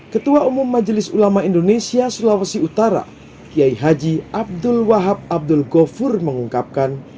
ketua umum majelis ulama indonesia sulawesi utara kiai haji abdul wahab abdul ghafur mengungkapkan